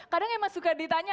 kadang emang suka ditanya